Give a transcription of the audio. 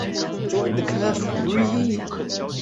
他出生在帕尔马。